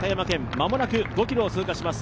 間もなく５ｋｍを通過します。